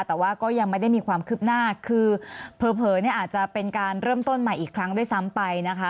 แต่ว่าก็ยังไม่ได้มีความคืบหน้าคือเผลอเนี่ยอาจจะเป็นการเริ่มต้นใหม่อีกครั้งด้วยซ้ำไปนะคะ